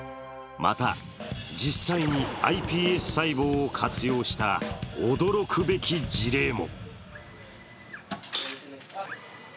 また、実際にｉＰＳ細胞を活用した驚くべき事例も。